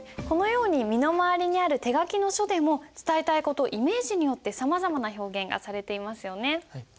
このように身の回りにある手書きの書でも伝えたい事イメージによってさまざまな表現がされていますよね。